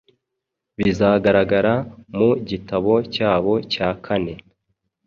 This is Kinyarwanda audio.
bizagaragara mu gitabo cyabo cya kane